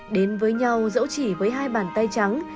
đến với nhau dẫu chỉ với hai bàn tay trắng